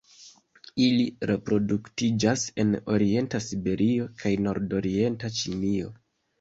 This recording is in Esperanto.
Ili reproduktiĝas en orienta Siberio kaj nordorienta Ĉinio.